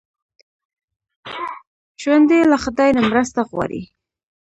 ژوندي له خدای نه مرسته غواړي